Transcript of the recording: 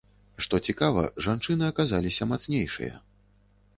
Што цікава, жанчыны аказаліся мацнейшыя.